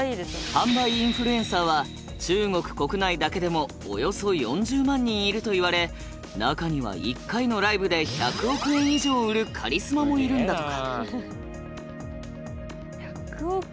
販売インフルエンサーは中国国内だけでもおよそ４０万人いるといわれ中には１回のライブで１００億円以上売るカリスマもいるんだとか。